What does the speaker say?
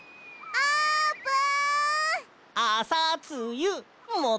あーぷん！